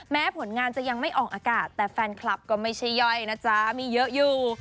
แม้ผลงานจะยังไม่ออกอากาศแต่แฟนคลับก็ไม่ใช่ย่อยนะจ๊ะมีเยอะอยู่